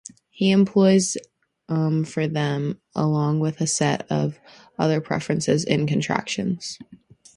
He employs "'em" for "them", along with a set of other preferences in contractions.